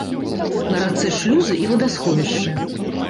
На рацэ шлюзы і вадасховішчы.